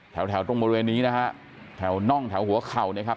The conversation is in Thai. แถวแถวตรงบริเวณนี้นะฮะแถวน่องแถวหัวเข่านะครับ